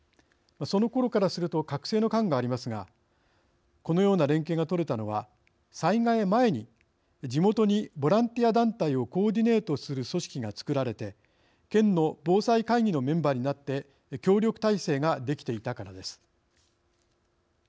そのころからすると隔世の感がありますがこのような連携が取れたのは災害前に地元にボランティア団体をコーディネートする組織が作られて県の防災会議のメンバーになって協力態勢ができていたからです。